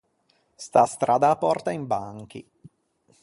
Sta stradda a pòrta in Banchi.